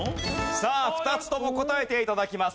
さあ２つとも答えて頂きます。